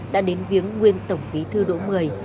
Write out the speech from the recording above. đã đến viếng nguyên tổng bí thư đỗ mười